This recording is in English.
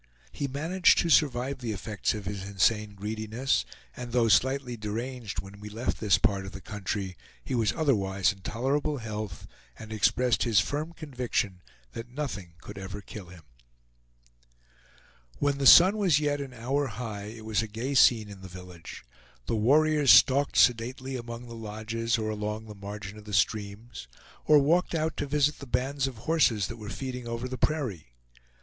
He managed to survive the effects of his insane greediness, and though slightly deranged when we left this part of the country, he was otherwise in tolerable health, and expressed his firm conviction that nothing could ever kill him. When the sun was yet an hour high, it was a gay scene in the village. The warriors stalked sedately among the lodges, or along the margin of the streams, or walked out to visit the bands of horses that were feeding over the prairie.